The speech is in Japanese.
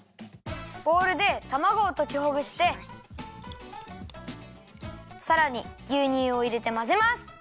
ボウルでたまごをときほぐしてさらにぎゅうにゅうをいれてまぜます。